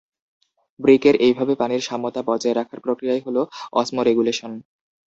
বৃক্কের এইভাবে পানির সাম্যতা বজায় রাখার প্রক্রিয়াই হলো অসমোরেগুলেশন।